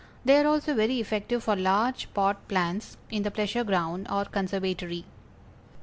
They are also very effective for large pot plants in the pleasure ground, or conservatory.